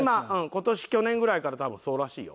今年去年ぐらいから多分そうらしいよ。